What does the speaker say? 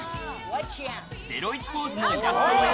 『ゼロイチ』ポーズのイラスト。